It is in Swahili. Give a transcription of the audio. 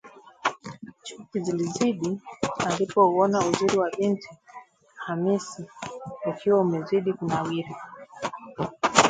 chuki zilizidi alipouona uzuri wa binti Khamisi ukiwa umezidi kunawiri